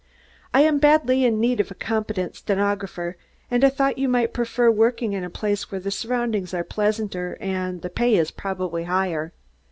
"I am badly in need of a competent stenographer and I thought you might prefer working in a place where the surroundings are pleasanter and the pay probably higher."